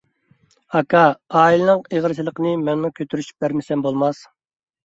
— ئاكا، ئائىلىنىڭ ئېغىرچىلىقىنى مەنمۇ كۆتۈرۈشۈپ بەرمىسەم بولماس.